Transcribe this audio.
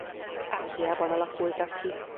Ázsiában alakultak ki.